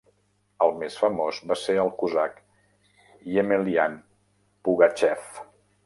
El més famós va ser el cosac Yemelyan Pugatxev.